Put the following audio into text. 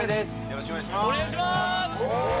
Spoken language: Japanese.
よろしくお願いします